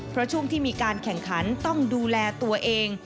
เพราะช่วงที่มีการแข่งขันต้องดูแลตัวเอง